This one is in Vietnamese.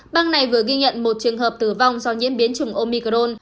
bang này vừa ghi nhận một trường hợp tử vong do nhiễm biến chủng omicron